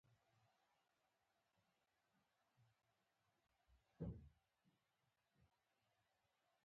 پر هغه به یې ډزې کولې، تېره شپه د شاتګ پر مهال.